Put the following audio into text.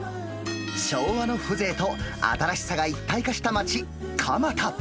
昭和の風情と新しさが一体化した街、蒲田。